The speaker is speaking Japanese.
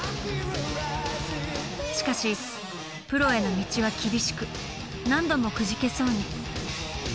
しかしプロへの道は厳しく何度もくじけそうに。